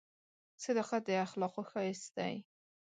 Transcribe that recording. • صداقت د اخلاقو ښایست دی.